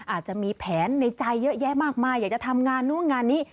อาจจะมีแผนในใจเยอะแยะมากมายอยากจะทำงานนู่นงานนี้